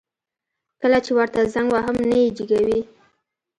کله چي ورته زنګ وهم نه يي جګوي